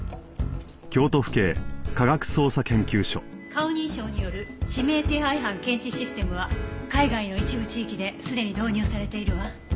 顔認証による指名手配犯検知システムは海外の一部地域ですでに導入されているわ。